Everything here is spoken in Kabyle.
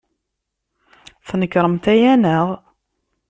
Tnekṛemt aya, naɣ?